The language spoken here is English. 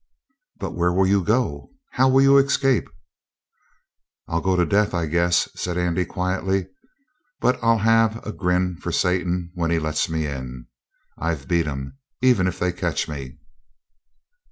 "But where will you go? How will you escape?" "I'll go to death, I guess," said Andy quietly. "But I'll have a grin for Satan when he lets me in. I've beat 'em, even if they catch me."